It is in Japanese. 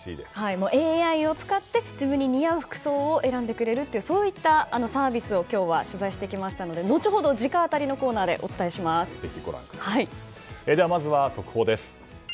ＡＩを使って自分に似合う服装を選んでくれるというそういったサービスを今日は取材してきましたので後ほど、直アタリのコーナーでまずは速報です。